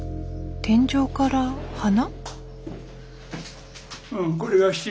天井から花？